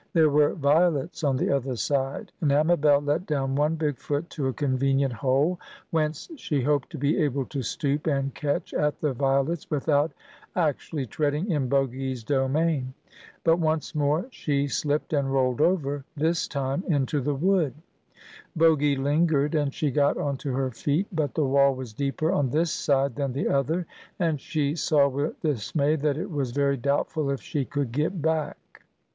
There were violets on the other side, and Amabel let down one big foot to a convenient hole, whence she hoped to be able to stoop and catch at the violets without actually treading in Bogy's domain. But once more she slipped and rolled over,—this time into the wood. Bogy lingered, and she got on to her feet; but the wall was deeper on this side than the other, and she saw with dismay that it was very doubtful if she could get back.